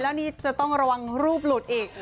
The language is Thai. แล้วนี่จะต้องระวังรูปหลุดอีก